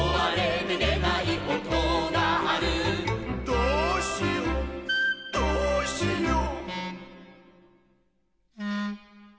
「どうしようどうしよう」